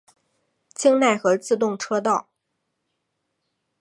京奈和自动车道。